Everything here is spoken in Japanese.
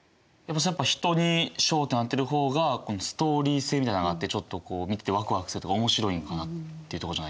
やっぱ人に焦点を当てる方がストーリー性みたいなのがあってちょっと見ててワクワクするとか面白いんかなっていうとこじゃないですか？